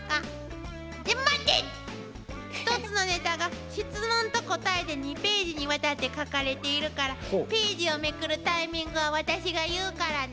１つのネタが質問と答えで２ページにわたって書かれているからページをめくるタイミングは私が言うからね。